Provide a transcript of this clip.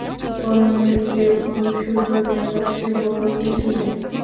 কর্মের চেয়ে মধুসূদনের কাছে বড়ো কিছু নেই।